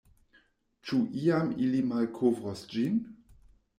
Ĉu iam ili malkovros ĝin?